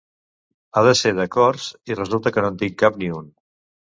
Ha de ser de cors i resulta que no en tinc cap ni un.